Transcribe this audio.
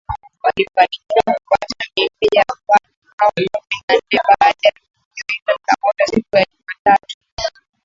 Walifanikiwa kupata miili ya watu hao kumi nanne baada ya tukio hilo la moto siku ya Jumatatu